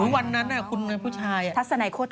วันนั้นคุณผู้ชายทัศไหนโค่ดออก